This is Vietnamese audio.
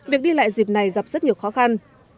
việc đi lại dịp này gặp rất nhiều khó khăn